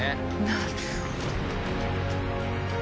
なるほど。